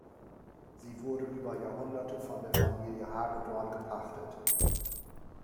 Sie wurde über Jahrhunderte von der Familie Hagedorn gepachtet.